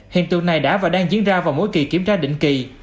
hiện tượng này đã và đang diễn ra vào mỗi kỳ kiểm tra định kỳ